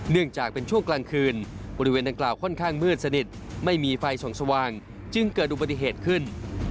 เนื่องจากเป็นช่วงกลางคืน